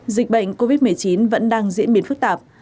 dịch bệnh covid một mươi chín vẫn đang diễn biến phức tạp